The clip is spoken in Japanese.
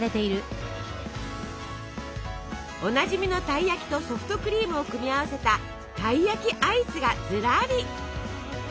おなじみのたい焼きとソフトクリームを組み合わせた「たい焼きアイス」がずらり。